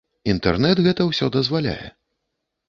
Інтэрнэт гэта ўсё дазваляе.